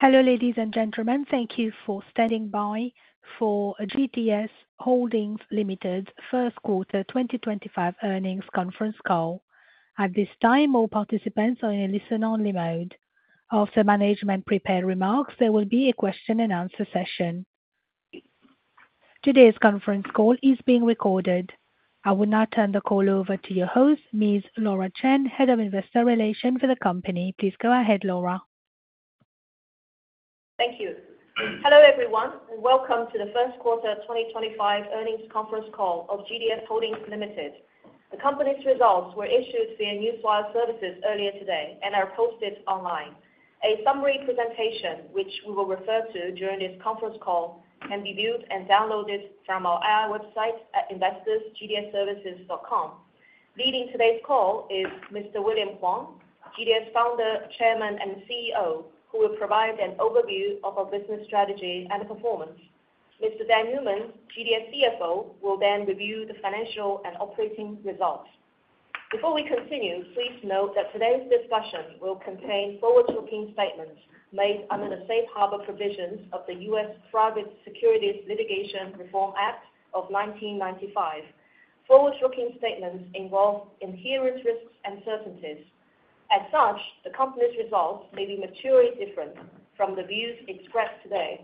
Hello, ladies and gentlemen. Thank you for standing by for GDS Holdings Limited's first quarter 2025 earnings conference call. At this time, all participants are in listen-only mode. After management prepares remarks, there will be a question-and-answer session. Today's conference call is being recorded. I will now turn the call over to your host, Ms. Laura Chen, Head of Investor Relations for the company. Please go ahead, Laura. Thank you. Hello, everyone, and welcome to the first quarter 2025 earnings conference call of GDS Holdings Limited. The company's results were issued via Newswire Services earlier today and are posted online. A summary presentation, which we will refer to during this conference call, can be viewed and downloaded from our AI website at investors.gdservices.com. Leading today's call is Mr. William Huang, GDS Founder, Chairman, and CEO, who will provide an overview of our business strategy and performance. Mr. Dan Newman, GDS CFO, will then review the financial and operating results. Before we continue, please note that today's discussion will contain forward-looking statements made under the safe harbor provisions of the U.S. Private Securities Litigation Reform Act of 1995. Forward-looking statements involve inherent risks and certainties. As such, the company's results may be materially different from the views expressed today.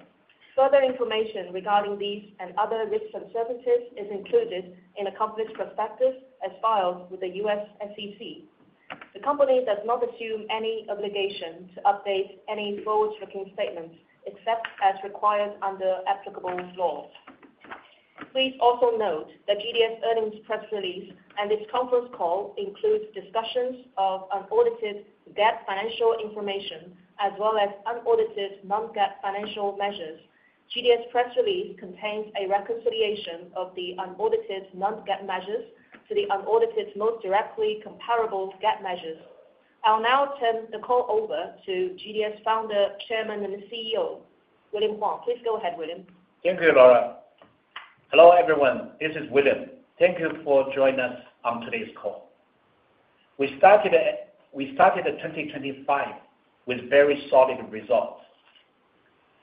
Further information regarding these and other risks and uncertainties is included in the company's prospectus as filed with the U.S. SEC. The company does not assume any obligation to update any forward-looking statements except as required under applicable laws. Please also note that GDS earnings press release and this conference call include discussions of unaudited debt financial information as well as unaudited non-debt financial measures. GDS press release contains a reconciliation of the unaudited non-debt measures to the unaudited most directly comparable debt measures. I'll now turn the call over to GDS Founder, Chairman, and CEO William Huang. Please go ahead, William. Thank you, Laura. Hello, everyone. This is William. Thank you for joining us on today's call. We started 2025 with very solid results.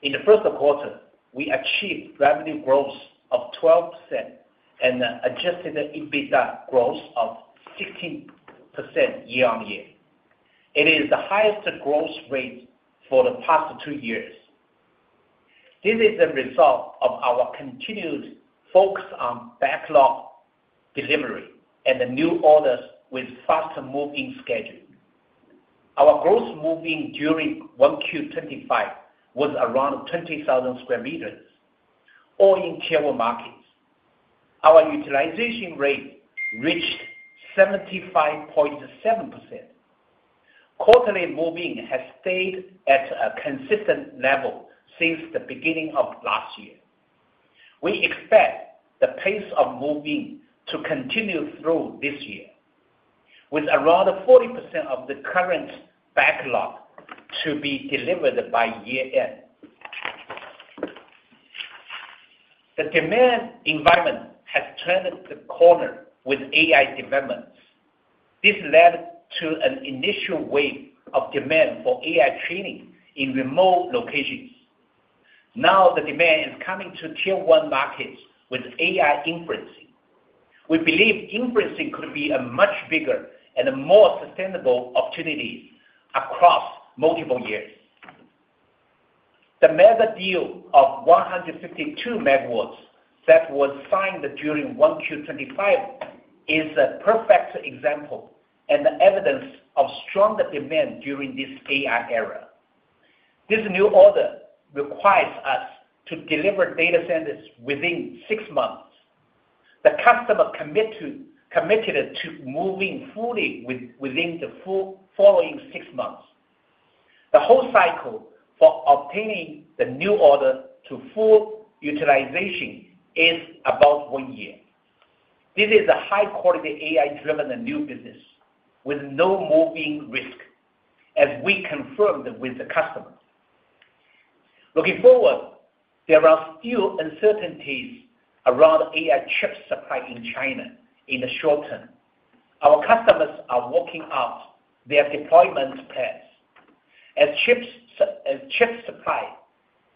In the first quarter, we achieved revenue growth of 12% and adjusted EBITDA growth of 16% year-on-year. It is the highest growth rate for the past two years. This is the result of our continued focus on backlog delivery and the new orders with faster move-in schedule. Our gross move-in during Q25 was around 20,000 sq m, all in cable markets. Our utilization rate reached 75.7%. Quarterly move-in has stayed at a consistent level since the beginning of last year. We expect the pace of move-in to continue through this year, with around 40% of the current backlog to be delivered by year-end. The demand environment has turned the corner with AI developments. This led to an initial wave of demand for AI training in remote locations. Now, the demand is coming to tier-one markets with AI inferencing. We believe inferencing could be a much bigger and more sustainable opportunity across multiple years. The mega deal of 152 megawatts that was signed during Q2 2025 is a perfect example and evidence of stronger demand during this AI era. This new order requires us to deliver data centers within six months. The customer committed to move in fully within the following six months. The whole cycle for obtaining the new order to full utilization is about one year. This is a high-quality AI-driven new business with no move-in risk, as we confirmed with the customer. Looking forward, there are still uncertainties around AI chip supply in China in the short term. Our customers are working out their deployment plans. As chip supply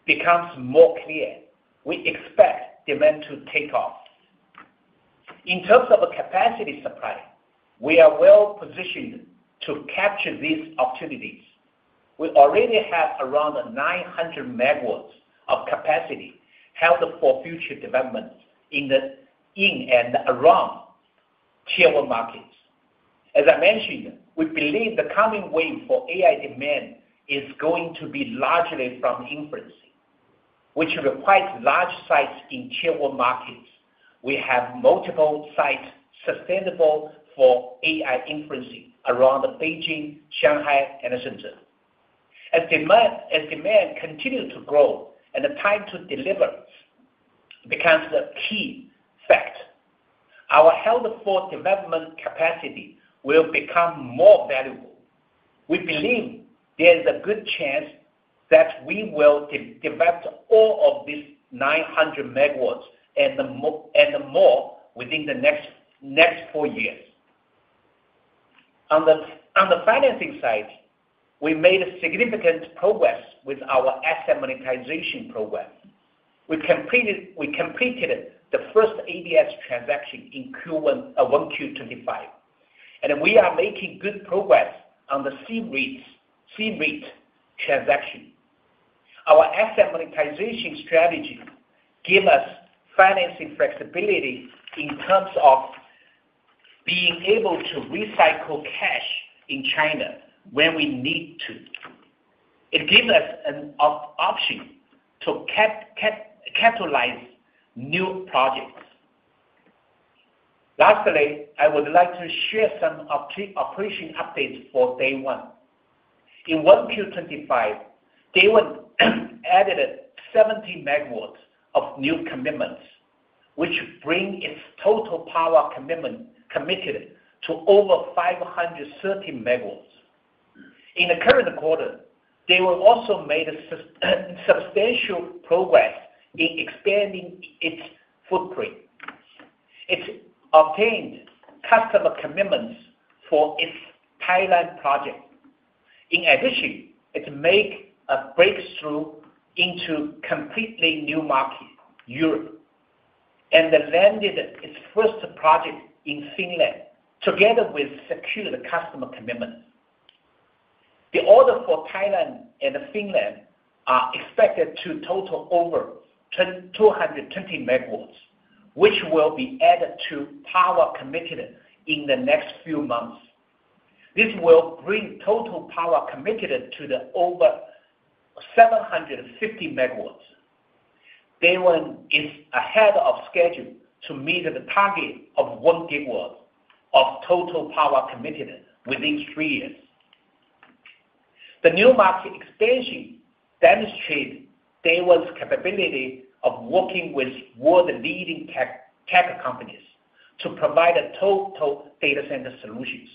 becomes more clear, we expect demand to take off. In terms of capacity supply, we are well-positioned to capture these opportunities. We already have around 900 megawatts of capacity held for future development in and around tier-one markets. As I mentioned, we believe the coming wave for AI demand is going to be largely from inferencing, which requires large sites in tier-one markets. We have multiple sites suitable for AI inferencing around Beijing, Shanghai, and Shenzhen. As demand continues to grow, the time to deliver becomes a key factor. Our held for development capacity will become more valuable. We believe there is a good chance that we will develop all of these 900 megawatts and more within the next four years. On the financing side, we made significant progress with our asset monetization program. We completed the first ABS transaction in Q2 2025, and we are making good progress on the seed rate transaction. Our asset monetization strategy gives us financing flexibility in terms of being able to recycle cash in China when we need to. It gives us an option to capitalize new projects. Lastly, I would like to share some operation updates for DayOne. In Q25, DayOne added 70 megawatts of new commitments, which brings its total power commitment committed to over 530 megawatts. In the current quarter, DayOne also made substantial progress in expanding its footprint. It obtained customer commitments for its Thailand project. In addition, it made a breakthrough into a completely new market, Europe, and landed its first project in Finland together with secured customer commitments. The order for Thailand and Finland are expected to total over 220 megawatts, which will be added to power committed in the next few months. This will bring total power committed to over 750 megawatts. DayOne is ahead of schedule to meet the target of 1 gigawatt of total power committed within three years. The new market expansion demonstrates DayOne's capability of working with world-leading tech companies to provide total data center solutions.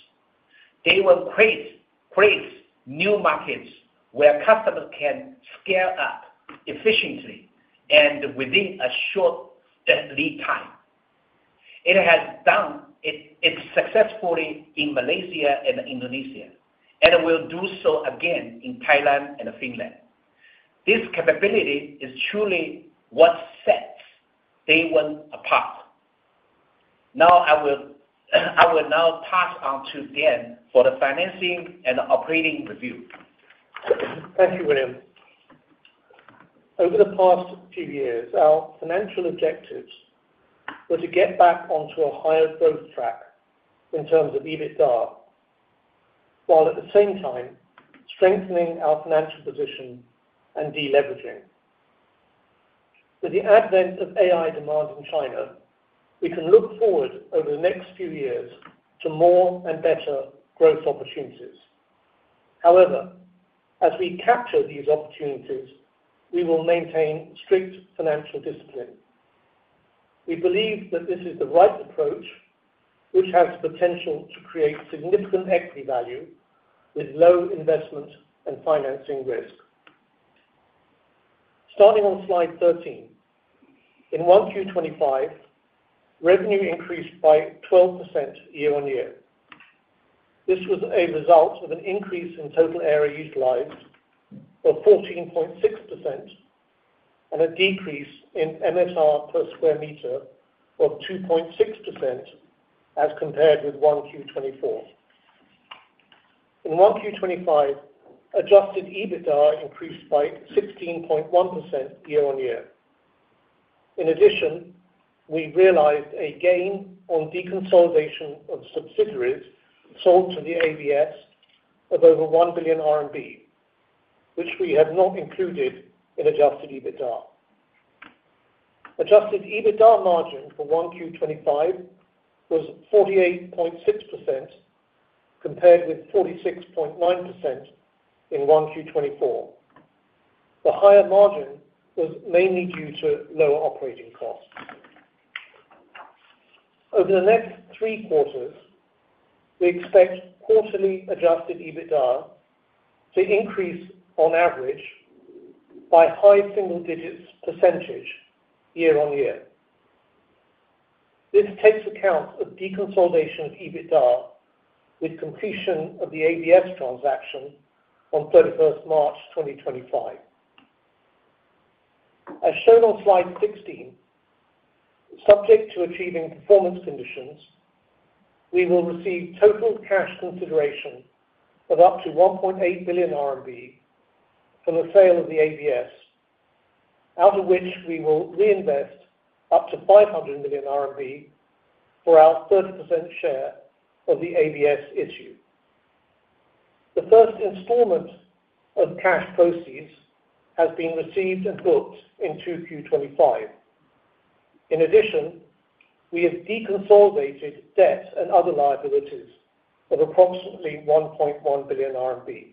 DayOne creates new markets where customers can scale up efficiently and within a short lead time. It has done it successfully in Malaysia and Indonesia and will do so again in Thailand and Finland. This capability is truly what sets DayOne apart. Now, I will pass on to Dan for the financing and operating review. Thank you, William. Over the past few years, our financial objectives were to get back onto a higher growth track in terms of EBITDA, while at the same time strengthening our financial position and deleveraging. With the advent of AI demand in China, we can look forward over the next few years to more and better growth opportunities. However, as we capture these opportunities, we will maintain strict financial discipline. We believe that this is the right approach, which has the potential to create significant equity value with low investment and financing risk. Starting on slide 13, in Q2 2025, revenue increased by 12% year-on-year. This was a result of an increase in total area utilized of 14.6% and a decrease in MSR per square meter of 2.6% as compared with Q2 2024. In Q2 2025, adjusted EBITDA increased by 16.1% year-on-year. In addition, we realized a gain on deconsolidation of subsidiaries sold to the ABS of over 1 billion RMB, which we have not included in adjusted EBITDA. Adjusted EBITDA margin for Q25 was 48.6% compared with 46.9% in Q24. The higher margin was mainly due to lower operating costs. Over the next three quarters, we expect quarterly adjusted EBITDA to increase on average by high single-digit % year-on-year. This takes account of deconsolidation of EBITDA with completion of the ABS transaction on 31st March 2025. As shown on slide 16, subject to achieving performance conditions, we will receive total cash consideration of up to 1.8 billion RMB from the sale of the ABS, out of which we will reinvest up to 500 million RMB for our 30% share of the ABS issue. The first installment of cash proceeds has been received and booked in Q25. In addition, we have deconsolidated debt and other liabilities of approximately 1.1 billion RMB.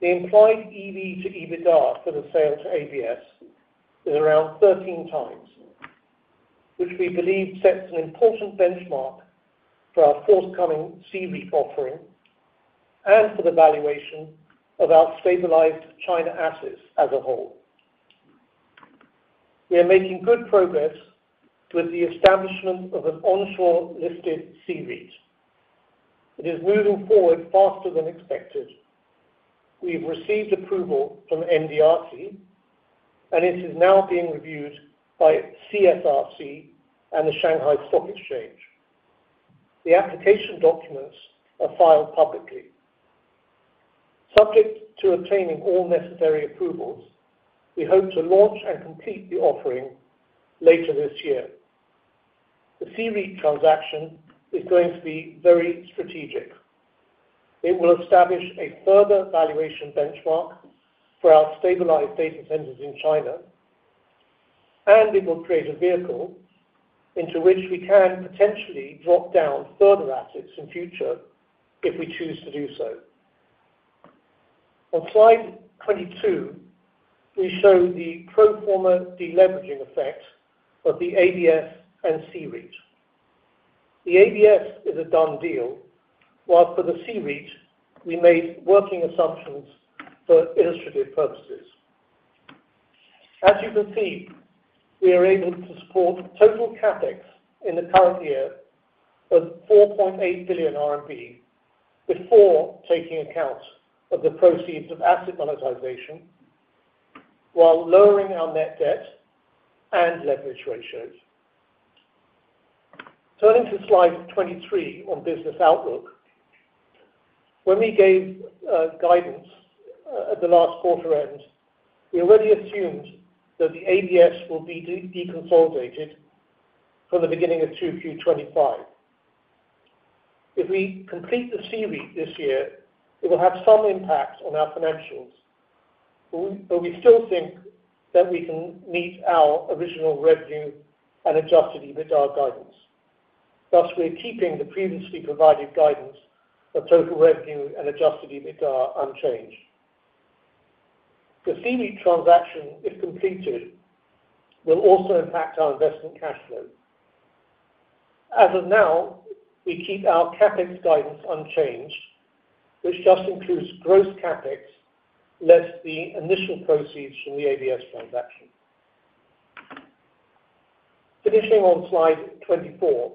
The implied EV to EBITDA for the sale to ABS is around 13 times, which we believe sets an important benchmark for our forthcoming seed rate offering and for the valuation of our stabilized China assets as a whole. We are making good progress with the establishment of an onshore listed seed rate. It is moving forward faster than expected. We have received approval from NDRC, and it is now being reviewed by CSRC and the Shanghai Stock Exchange. The application documents are filed publicly. Subject to obtaining all necessary approvals, we hope to launch and complete the offering later this year. The seed rate transaction is going to be very strategic. It will establish a further valuation benchmark for our stabilized data centers in China, and it will create a vehicle into which we can potentially drop down further assets in future if we choose to do so. On slide 22, we show the pro forma deleveraging effect of the ABS and seed REIT. The ABS is a done deal, while for the seed REIT, we made working assumptions for illustrative purposes. As you can see, we are able to support total CapEx in the current year of 4.8 billion RMB before taking account of the proceeds of asset monetization, while lowering our net debt and leverage ratios. Turning to slide 23 on business outlook, when we gave guidance at the last quarter-end, we already assumed that the ABS will be deconsolidated from the beginning of Q2 2025. If we complete the seed rate this year, it will have some impact on our financials, but we still think that we can meet our original revenue and adjusted EBITDA guidance. Thus, we're keeping the previously provided guidance for total revenue and adjusted EBITDA unchanged. The seed rate transaction, if completed, will also impact our investment cash flow. As of now, we keep our CapEx guidance unchanged, which just includes gross CapEx less the initial proceeds from the ABS transaction. Finishing on slide 24,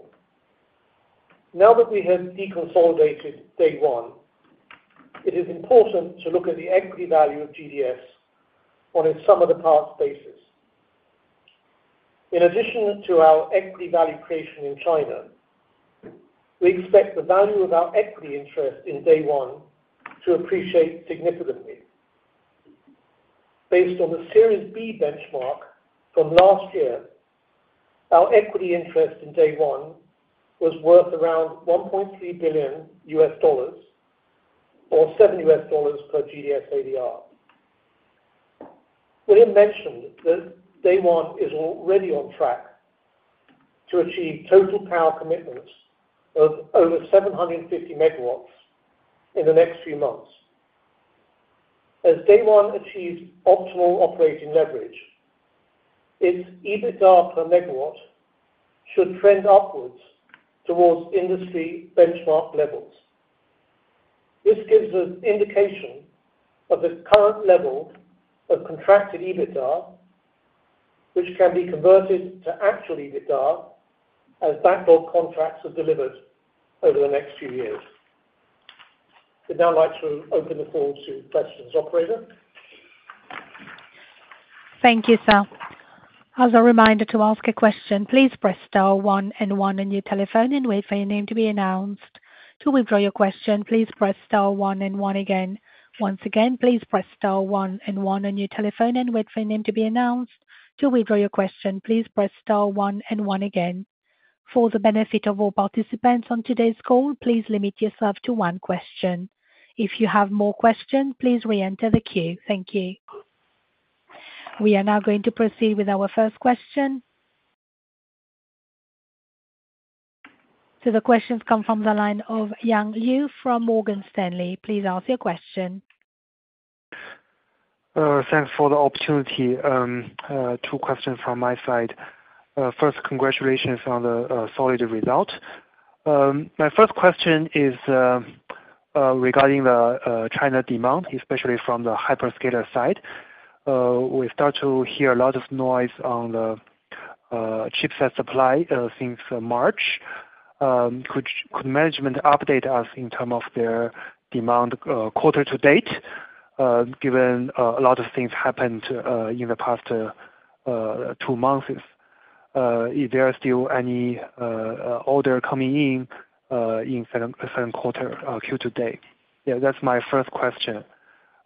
now that we have deconsolidated DayOne, it is important to look at the equity value of GDS on a sum of the parts basis. In addition to our equity value creation in China, we expect the value of our equity interest in DayOne to appreciate significantly. Based on the Series B benchmark from last year, our equity interest in DayOne was worth around $1.3 billion or $7 per GDS ADR. William mentioned that DayOne is already on track to achieve total power commitments of over 750 megawatts in the next few months. As DayOne achieves optimal operating leverage, its EBITDA per megawatt should trend upwards towards industry benchmark levels. This gives us an indication of the current level of contracted EBITDA, which can be converted to actual EBITDA as backlog contracts are delivered over the next few years. I'd now like to open the floor to questions, operator. Thank you, sir. As a reminder to ask a question, please press star one and one on your telephone and wait for your name to be announced. To withdraw your question, please press star one and one again. Once again, please press star one and one on your telephone and wait for your name to be announced. To withdraw your question, please press star one and one again. For the benefit of all participants on today's call, please limit yourself to one question. If you have more questions, please re-enter the queue. Thank you. We are now going to proceed with our first question. The questions come from the line of Yang Liu from Morgan Stanley. Please ask your question. Thanks for the opportunity. Two questions from my side. First, congratulations on the solid result. My first question is regarding the China demand, especially from the hyperscaler side. We start to hear a lot of noise on the chipset supply since March. Could management update us in terms of their demand quarter to date, given a lot of things happened in the past two months? Is there still any order coming in in second quarter or Q2? Yeah, that's my first question.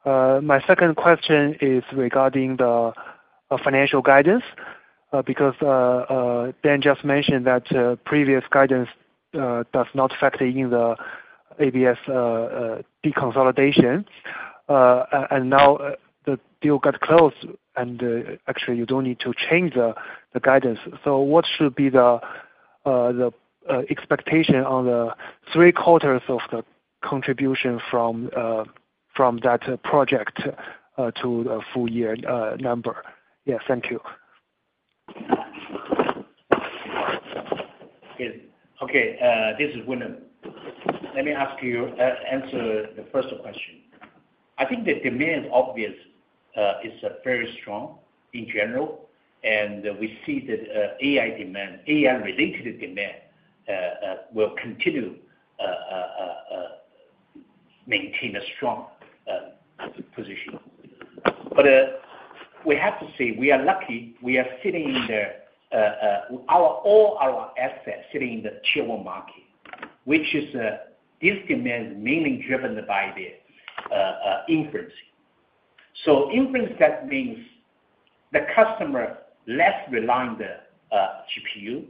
My second question is regarding the financial guidance because Dan just mentioned that previous guidance does not factor in the ABS deconsolidation, and now the deal got closed, and actually, you don't need to change the guidance. So what should be the expectation on the three quarters of the contribution from that project to the full year number? Yeah, thank you. Okay. This is William. Let me ask you to answer the first question. I think the demand is obvious. It's very strong in general, and we see that AI-related demand will continue to maintain a strong position. We have to say we are lucky we are sitting in all our assets sitting in the tier one market, which is this demand mainly driven by the inference. Inference, that means the customer less relying on the GPU.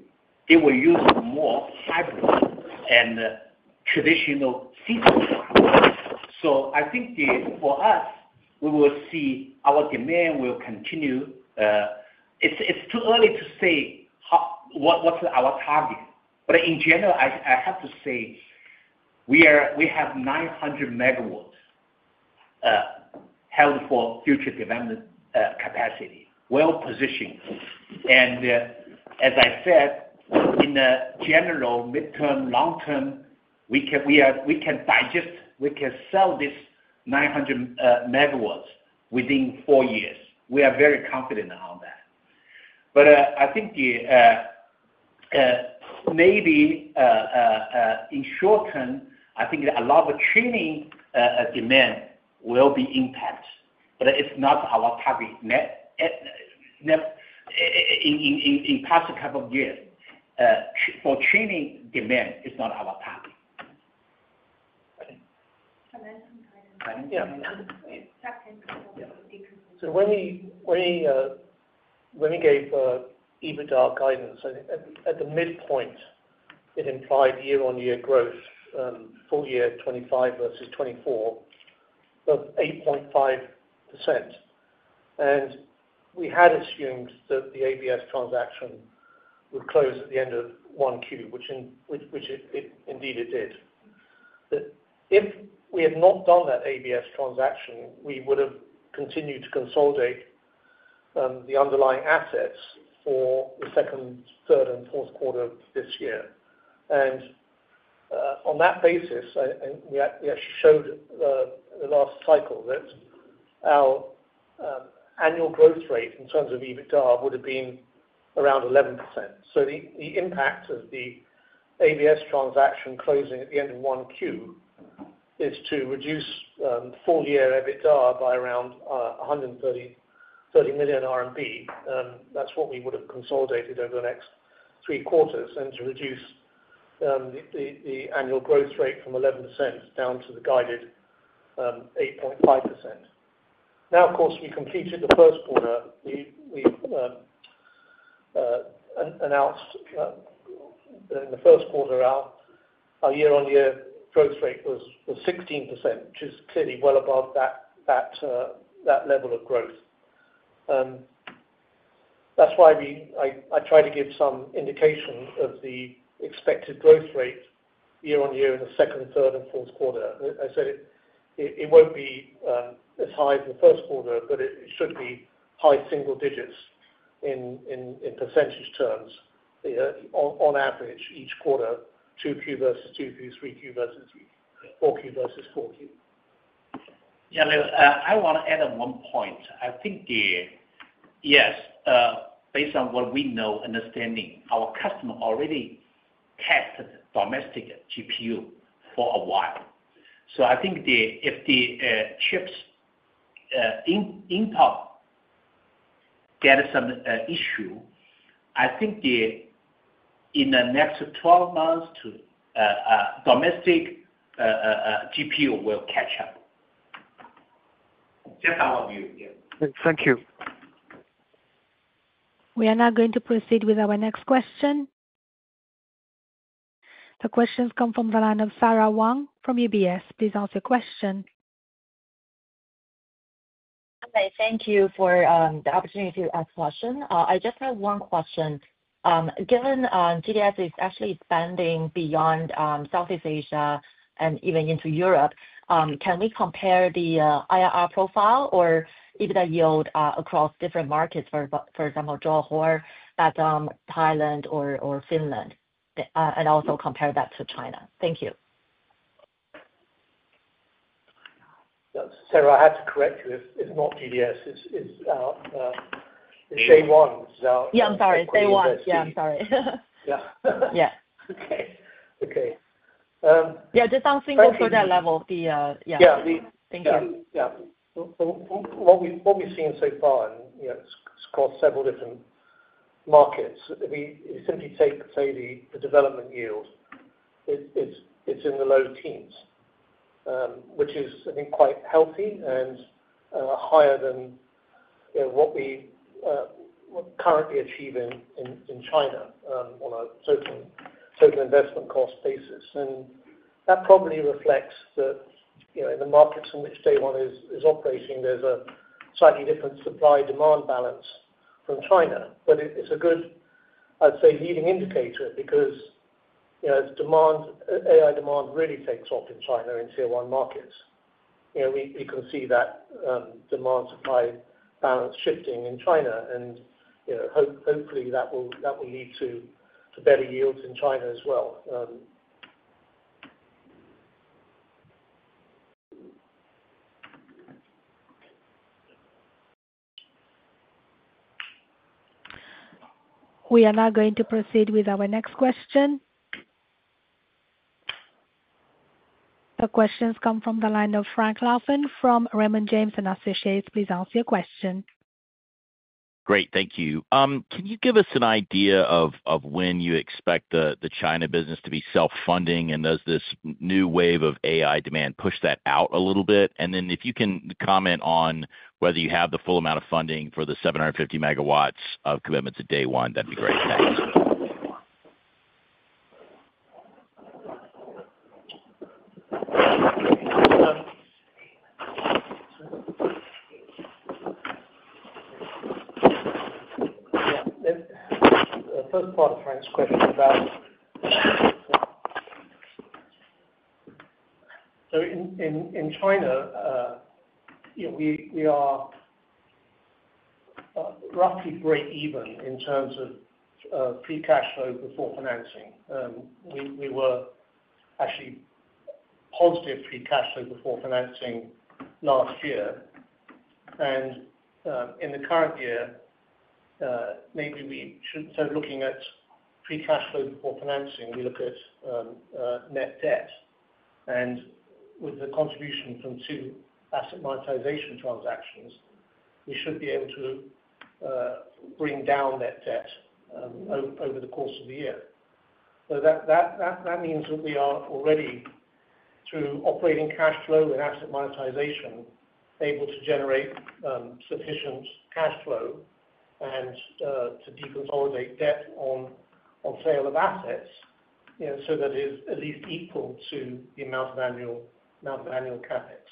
They will use more hybrid and traditional seed rate components. I think for us, we will see our demand will continue. It's too early to say what's our target, but in general, I have to say we have 900 megawatts held for future development capacity, well positioned. As I said, in the general midterm, long term, we can digest, we can sell this 900 megawatts within four years. We are very confident on that. I think maybe in short term, I think a lot of training demand will be impacted, but it's not our target. In the past couple of years, for training demand, it's not our target. When we gave EBITDA guidance at the midpoint, it implied year-on-year growth, full year 2025 versus 2024, of 8.5%. We had assumed that the ABS transaction would close at the end of Q1, which indeed it did. If we had not done that ABS transaction, we would have continued to consolidate the underlying assets for the second, third, and fourth quarter of this year. On that basis, we actually showed the last cycle that our annual growth rate in terms of EBITDA would have been around 11%. The impact of the ABS transaction closing at the end of Q1 is to reduce full year EBITDA by around 130 million RMB. That is what we would have consolidated over the next three quarters and to reduce the annual growth rate from 11% down to the guided 8.5%. Now, of course, we completed the first quarter. We announced in the first quarter our year-on-year growth rate was 16%, which is clearly well above that level of growth. That is why I tried to give some indication of the expected growth rate year-on-year in the second, third, and fourth quarter. I said it will not be as high as the first quarter, but it should be high single digits in % terms on average each quarter, Q2 versus Q2, Q3 versus Q2, Q4 versus Q2 versus Q4. Yeah, I want to add on one point. I think, yes, based on what we know, understanding, our customer already tested domestic GPU for a while. I think if the chips in top get some issue, I think in the next 12 months, domestic GPU will catch up. That's our view. Yeah. Thank you. We are now going to proceed with our next question. The questions come from the line of Sara Wang from UBS. Please ask your question. Okay. Thank you for the opportunity to ask questions. I just have one question. Given GDS is actually expanding beyond Southeast Asia and even into Europe, can we compare the IRR profile or EBITDA yield across different markets, for example, Johor Bahru, Thailand, or Finland, and also compare that to China? Thank you. Sara, I have to correct you. It's not GDS. It's DayOne. Yeah, I'm sorry. DayOne. Yeah, I'm sorry. Yeah. Yeah. Okay. Okay. Yeah, just something for that level. Yeah. Thank you. What we've seen so far across several different markets, if we simply take, say, the development yield, it's in the low teens, which is, I think, quite healthy and higher than what we currently achieve in China on a total investment cost basis. That probably reflects that in the markets in which DayOne is operating, there's a slightly different supply-demand balance from China. It's a good, I'd say, leading indicator because AI demand really takes off in China in tier-one markets. We can see that demand-supply balance shifting in China, and hopefully, that will lead to better yields in China as well. We are now going to proceed with our next question. The questions come from the line of Frank Louthan from Raymond James and Associates. Please ask your question. Great. Thank you. Can you give us an idea of when you expect the China business to be self-funding, and does this new wave of AI demand push that out a little bit? If you can comment on whether you have the full amount of funding for the 750 megawatts of commitments at DayOne, that'd be great. Thanks. Yeah. The first part of Frank's question is about in China, we are roughly break-even in terms of free cash flow before financing. We were actually positive free cash flow before financing last year. In the current year, maybe we should not start looking at free cash flow before financing. We look at net debt. With the contribution from two asset monetization transactions, we should be able to bring down net debt over the course of the year. That means that we are already, through operating cash flow and asset monetization, able to generate sufficient cash flow and to deconsolidate debt on sale of assets so that it is at least equal to the amount of annual CapEx.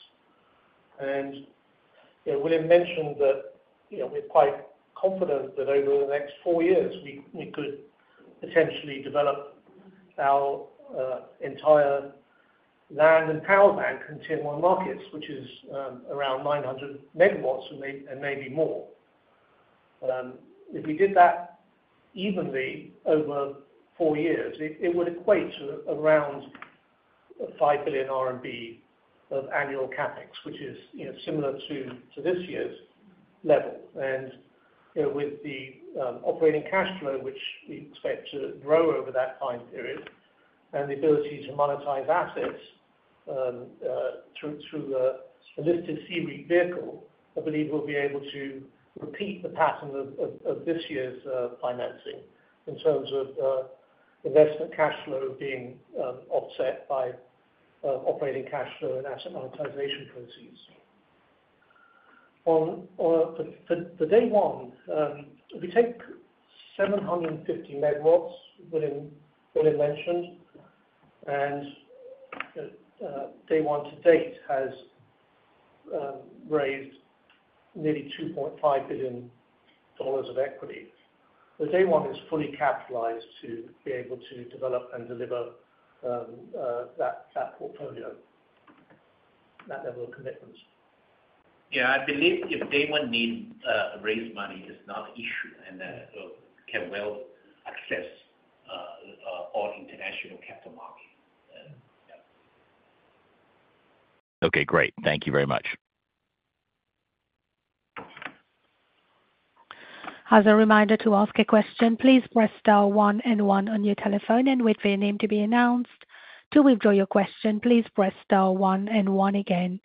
William mentioned that we're quite confident that over the next four years, we could potentially develop our entire land and power bank in tier-one markets, which is around 900 megawatts and maybe more. If we did that evenly over four years, it would equate to around 5 billion RMB of annual CapEx, which is similar to this year's level. With the operating cash flow, which we expect to grow over that time period, and the ability to monetize assets through the listed CDRE vehicle, I believe we'll be able to repeat the pattern of this year's financing in terms of investment cash flow being offset by operating cash flow and asset monetization proceeds. For DayOne, if we take 750 megawatts, William mentioned, and DayOne to date has raised nearly $2.5 billion of equity. DayOne is fully capitalized to be able to develop and deliver that portfolio, that level of commitments. Yeah. I believe if DayOne needs to raise money, it's not an issue and can well access all international capital markets. Okay. Great. Thank you very much. As a reminder to ask a question, please press star one and one on your telephone and wait for your name to be announced. To withdraw your question, please press star one and one again.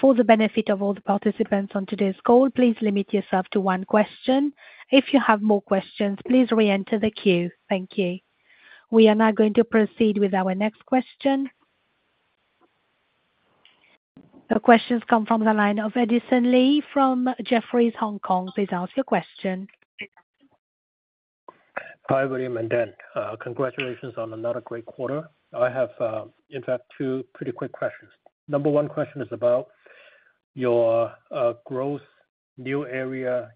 For the benefit of all the participants on today's call, please limit yourself to one question. If you have more questions, please re-enter the queue. Thank you. We are now going to proceed with our next question. The questions come from the line of Edison Lee from Jefferies, Hong Kong. Please ask your question. Hi, William and Dan. Congratulations on another great quarter. I have, in fact, two pretty quick questions. Number one question is about your growth, new area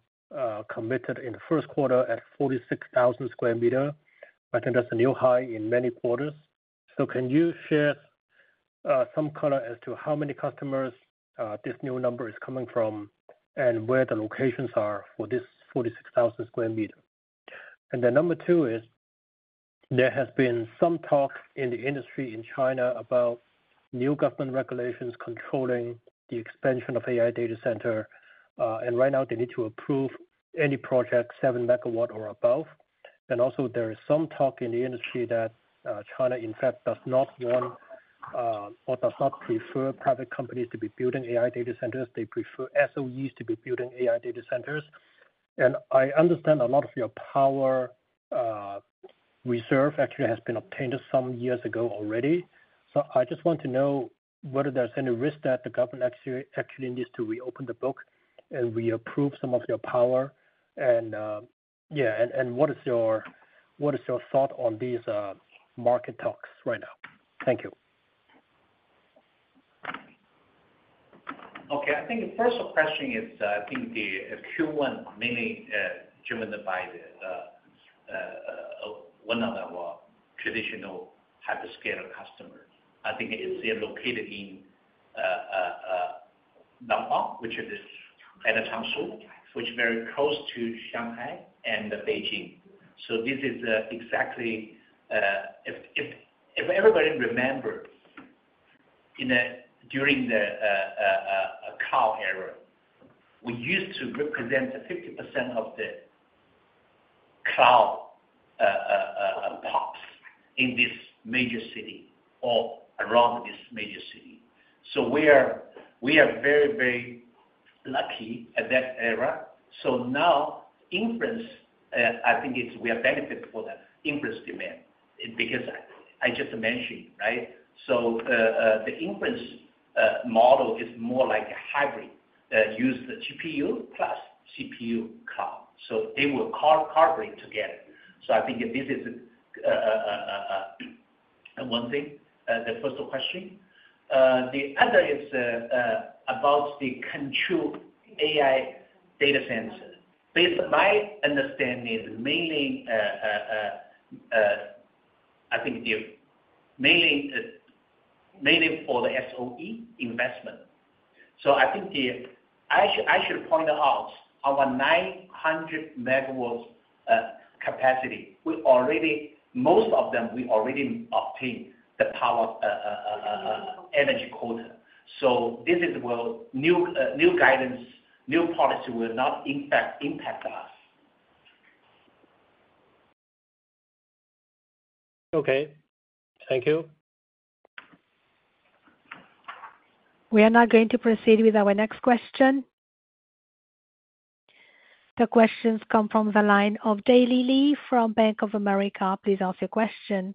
committed in the first quarter at 46,000 square meters. I think that's a new high in many quarters. Can you share some color as to how many customers this new number is coming from and where the locations are for this 46,000 square meters? Number two is there has been some talk in the industry in China about new government regulations controlling the expansion of AI data center. Right now, they need to approve any project 7 megawatt or above. Also, there is some talk in the industry that China, in fact, does not want or does not prefer private companies to be building AI data centers. They prefer SOEs to be building AI data centers. I understand a lot of your power reserve actually has been obtained some years ago already. I just want to know whether there's any risk that the government actually needs to reopen the book and reapprove some of your power. What is your thought on these market talks right now? Thank you. Okay. I think the first question is, I think the Q1 mainly driven by one of our traditional hyperscale customers. I think it's located in Nantong, which is a town soon, which is very close to Shanghai and Beijing. This is exactly if everybody remembers during the cloud era, we used to represent 50% of the cloud pops in this major city or around this major city. We are very, very lucky at that era. Now, inference, I think we are benefiting from the inference demand because I just mentioned, right? The inference model is more like a hybrid, use the GPU plus CPU cloud. They will collaborate together. I think this is one thing, the first question. The other is about the control AI data center. Based on my understanding, mainly I think mainly for the SOE investment. I think I should point out our 900 megawatt capacity. Most of them, we already obtained the power energy quota. This is where new guidance, new policy will not impact us. Okay. Thank you. We are now going to proceed with our next question. The questions come from the line of Daley Li from Bank of America. Please ask your question.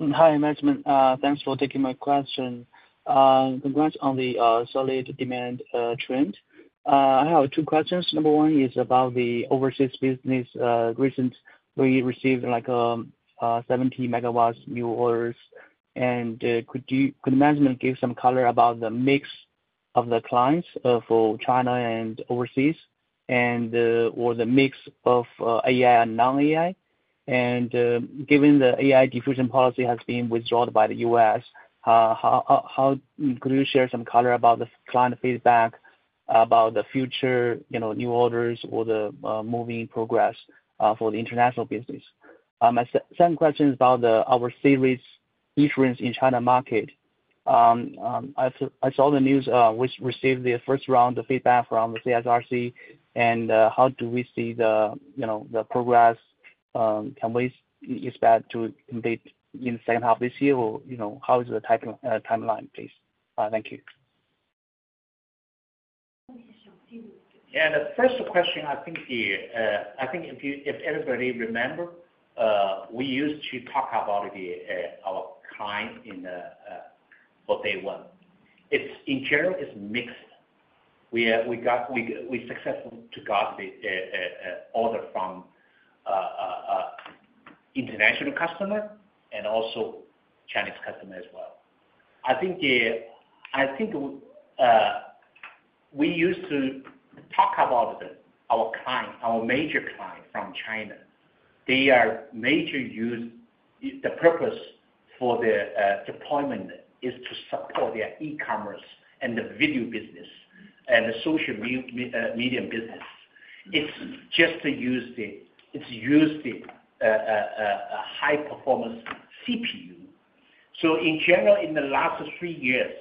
Hi, management. Thanks for taking my question. Congrats on the solid demand trend. I have two questions. Number one is about the overseas business. Recently, we received 70 megawatts new orders. Could management give some color about the mix of the clients for China and overseas or the mix of AI and non-AI? Given the AI diffusion policy has been withdrawn by the U.S., could you share some color about the client feedback about the future new orders or the moving progress for the international business? My second question is about our series in China market. I saw the news we received the first round of feedback from the CSRC. How do we see the progress? Can we expect to complete in the second half this year? How is the timeline, please? Thank you. Yeah. The first question, I think if everybody remember, we used to talk about our client for Day One. In general, it's mixed. We successfully got the order from international customers and also Chinese customers as well. I think we used to talk about our client, our major client from China. The purpose for the deployment is to support their e-commerce and the video business and the social media business. It's just used to use the high-performance CPU. In general, in the last three years,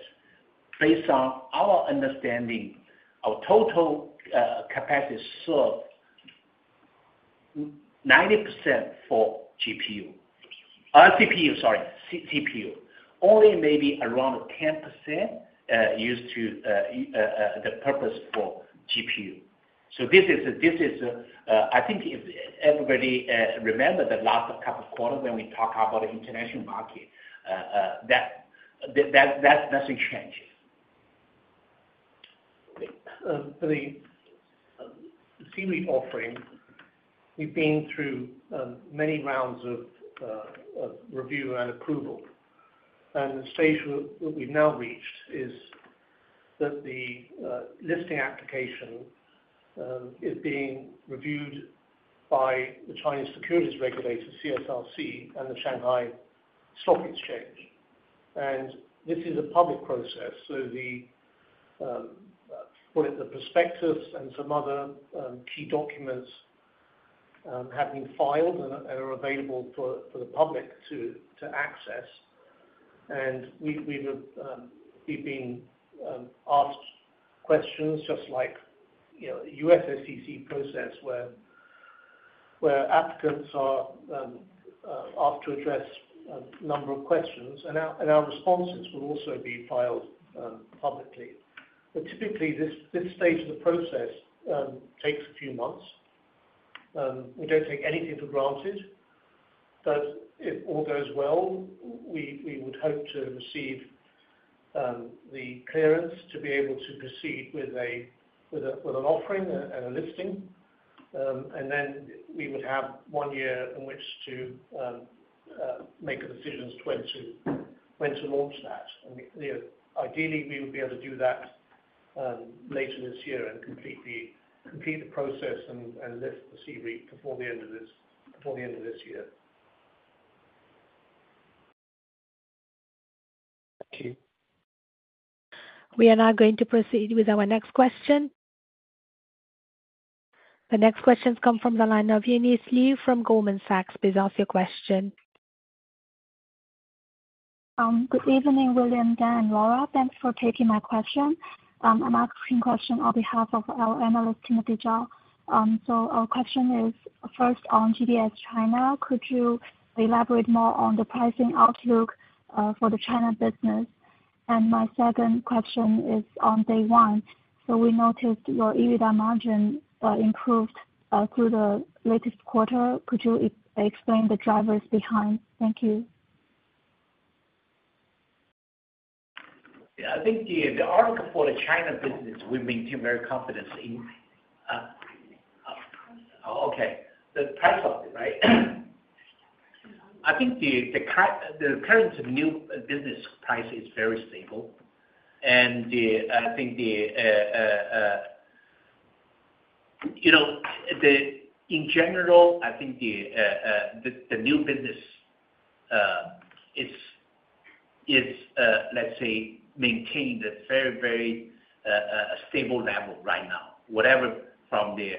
based on our understanding, our total capacity served 90% for CPU. Only maybe around 10% used to the purpose for GPU. I think if everybody remember the last couple of quarters when we talked about the international market, nothing changes. The seaweed offering, we've been through many rounds of review and approval. The stage we've now reached is that the listing application is being reviewed by the Chinese securities regulator, CSRC, and the Shanghai Stock Exchange. This is a public process. The prospectus and some other key documents have been filed and are available for the public to access. We've been asked questions just like U.S. SEC process where applicants are asked to address a number of questions. Our responses will also be filed publicly. Typically, this stage of the process takes a few months. We don't take anything for granted. If all goes well, we would hope to receive the clearance to be able to proceed with an offering and a listing. We would have one year in which to make a decision as to when to launch that. Ideally, we would be able to do that later this year and complete the process and list the CDRE before the end of this year. Thank you. We are now going to proceed with our next question. The next questions come from the line of Eunice Lee from Goldman Sachs. Please ask your question. Good evening, William, Dan, Laura. Thanks for taking my question. I'm asking a question on behalf of our analyst, Timothy Zhao. Our question is, first, on GDS China, could you elaborate more on the pricing outlook for the China business? My second question is on DayOne. We noticed your EBITDA margin improved through the latest quarter. Could you explain the drivers behind? Thank you. Yeah. I think the outlook for the China business, we maintain very confidence in. Okay. The price of it, right? I think the current new business price is very stable. I think in general, the new business is, let's say, maintained at a very, very stable level right now, whatever. From the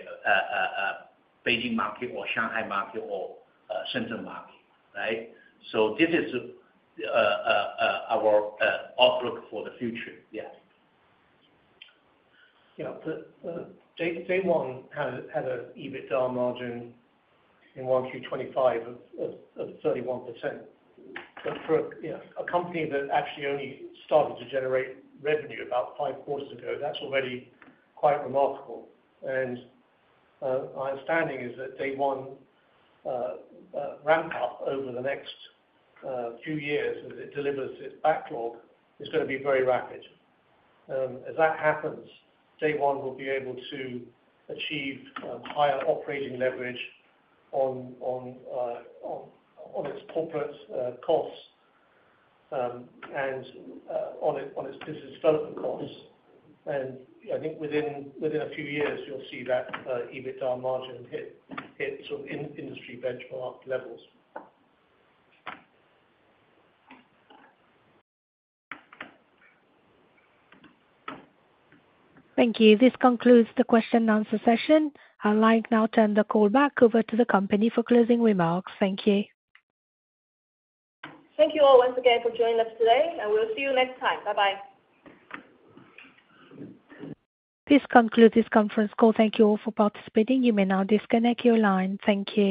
Beijing market or Shanghai market or Shenzhen market, right? This is our outlook for the future. Yeah. Yeah. DayOne had an EBITDA margin in 1Q 2025 of 31%. For a company that actually only started to generate revenue about five quarters ago, that's already quite remarkable. My understanding is that DayOne ramp-up over the next few years as it delivers its backlog is going to be very rapid. As that happens, DayOne will be able to achieve higher operating leverage on its corporate costs and on its business development costs. I think within a few years, you'll see that EBITDA margin hit sort of industry benchmark levels. Thank you. This concludes the question-and-answer session. I'd like now to turn the call back over to the company for closing remarks. Thank you. Thank you all once again for joining us today. We will see you next time. Bye-bye. This concludes this conference call. Thank you all for participating. You may now disconnect your line. Thank you.